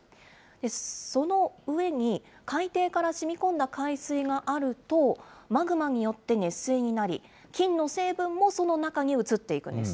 その上に、海底からしみこんだ海水があると、マグマによって熱水になり、金の成分もその中に移っていくんです。